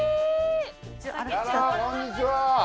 あらこんにちは。